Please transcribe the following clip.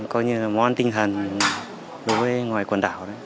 coi như là ngón tinh thần đối với ngoài quần đảo đấy